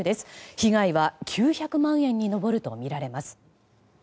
被害は９００万円に上るとみられます。